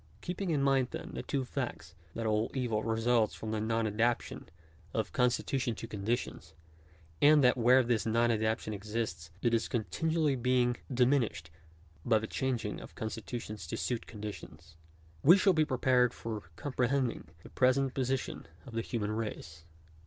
§3. • Keeping in mind then the two facts, that all evil results from the non adaptation of constitution to conditions ; and that where this non adaptation exists it is continually being dimin ished by the changing of constitution to suit conditions, we shall be prepared for comprehending the present position of the human race.